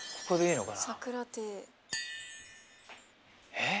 えっ？